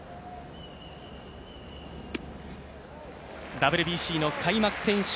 ＷＢＣの開幕戦勝